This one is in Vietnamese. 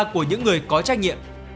của những người có trách nhiệm